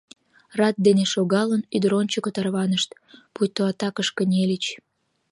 Рат дене шогалын, ӱдыр ончыко тарванышт, пуйто атакыш кынельыч.